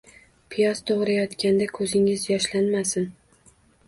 Piyoz to'g'rayotganda ko'zingiz yoshlanmasin.